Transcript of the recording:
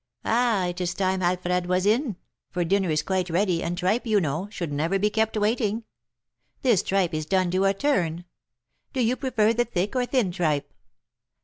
Ah, it is time Alfred was in, for dinner is quite ready, and tripe, you know, should never be kept waiting. This tripe is done to a turn. Do you prefer the thick or thin tripe?